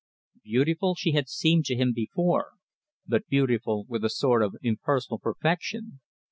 Beautiful she had seemed to him before, but beautiful with a sort of impersonal perfection.